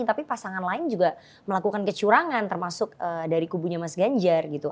tapi pasangan lain juga melakukan kecurangan termasuk dari kubunya mas ganjar gitu